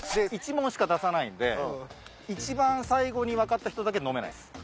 １問しか出さないんで番最後に分かった人だけ飲めないです。